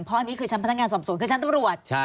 เพราะอันนี้คือชั้นพนักงานสอบสวนคือชั้นตำรวจ